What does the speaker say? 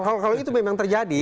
kalau itu memang terjadi